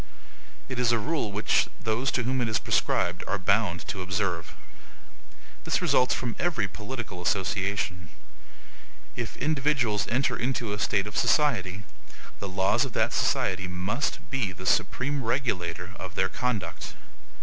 It is a rule which those to whom it is prescribed are bound to observe. This results from every political association. If individuals enter into a state of society, the laws of that society must be the supreme regulator of their conduct.